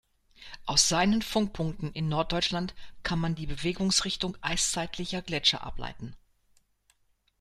Aus seinen Fundpunkten in Norddeutschland kann man die Bewegungsrichtung eiszeitlicher Gletscher ableiten.